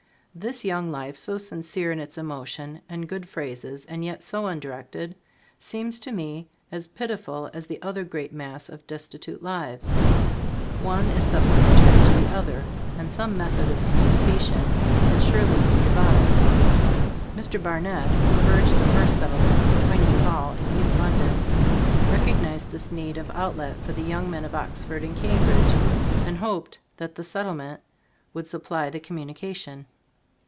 This young life, so sincere in its emotion and good phrases and yet so undirected, seems to me as pitiful as the other great mass of destitute lives. One is supplementary to the other, and some method of communication can surely be devised. Mr. Barnett, who urged the first Settlement, Toynbee Hall, in East London, recognized this need of outlet for the young men of Oxford and Cambridge, and hoped that the Settlement would supply the communication.